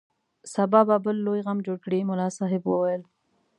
سبا به بل لوی غم جوړ کړي ملا صاحب وویل.